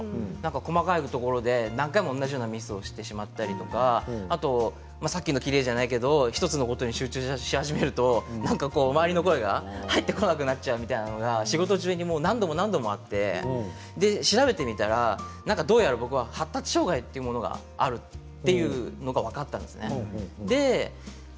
細かいところで何回も同じようなミスをしてしまったりとかあと、さっきの切り絵じゃないですけど、１つのことに集中し始めると周りの声が入ってこなくなっちゃうみたいなのが仕事中に何度も何度もあって調べてみたらどうやら僕は発達障害というものがあるというのが分かったんですね。